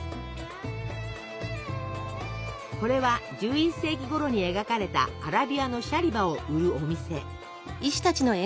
これは１１世紀ごろに描かれたアラビアのシャリバを売るお店。